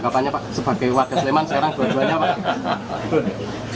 agapannya pak sebagai wakil sleman sekarang dua duanya apa